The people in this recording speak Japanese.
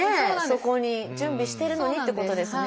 そこに準備してるのにってことですね。